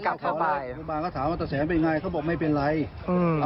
คุณยายเปิดเผยว่าคุณตาป่วยเป็นผู้ป่วยติดเตียงเป็นปีแล้วนะคะ